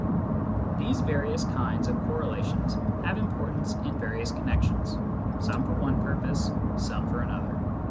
These various kinds of correlations have importance in various connections, some for one purpose, some for another.